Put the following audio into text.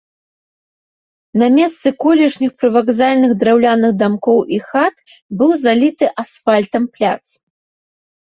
На месцы колішніх прывакзальных драўляных дамкоў і хат быў заліты асфальтам пляц.